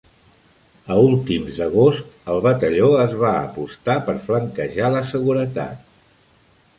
A últims d"agost, el batalló es va apostar per flanquejar la seguretat.